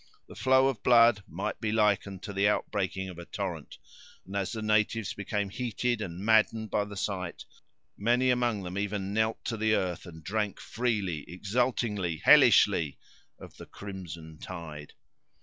The flow of blood might be likened to the outbreaking of a torrent; and as the natives became heated and maddened by the sight, many among them even kneeled to the earth, and drank freely, exultingly, hellishly, of the crimson tide.